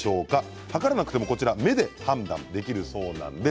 測らなくても目で判断できるそうなんです。